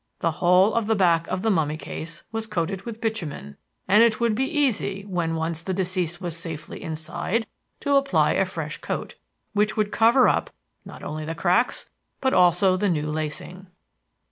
The whole of the back of the mummy case was coated with bitumen, and it would be easy when once the deceased was safely inside to apply a fresh coat, which would cover up not only the cracks but also the new lacing.